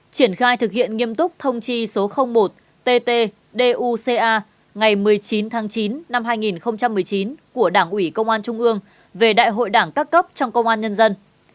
triển khai thực hiện nghiêm túc thông chi số một tt duca ngày một mươi chín tháng chín năm hai nghìn một mươi chín của đảng ủy công an trung ương về đại hội đảng các cấp trong công an nhân dân